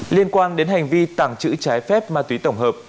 liên quan đến hành vi tàng trữ trái phép ma túy tổng hợp